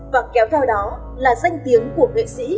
và kéo theo đó là danh tiếng của nghệ sĩ